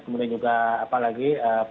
kemudian juga apa lagi